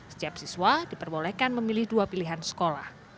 setiap siswa diperbolehkan memilih dua pilihan sekolah